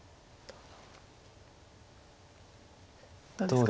どうですか？